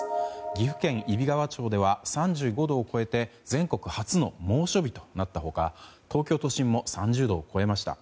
岐阜県揖斐川町では３５度を超えて全国初の猛暑日となった他東京都心も３０度を超えました。